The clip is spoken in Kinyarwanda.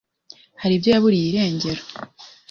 hari ibyo yaburiye irengero